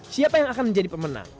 siapa yang akan menjadi pemenang